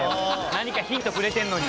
何かヒントくれてるのに。